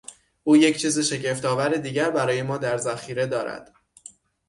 او یک چیز شگفتآور دیگر برای ما در ذخیره دارد.